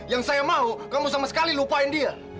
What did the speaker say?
yang saya mau kamu sama sekali lupain dia